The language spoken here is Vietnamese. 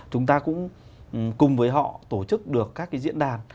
chúng ta cũng cùng với họ tổ chức được các cái diễn đàn